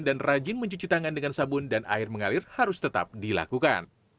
dan rajin mencuci tangan dengan sabun dan air mengalir harus tetap dilakukan